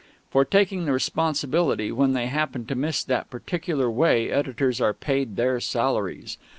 For taking the responsibility when they happen to miss that particular way editors are paid their salaries.